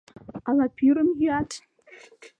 Ала пӱрым йӱат?